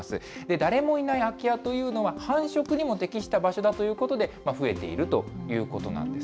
誰もいない空き家というのは、繁殖にも適した場所だということで、増えているということなんです。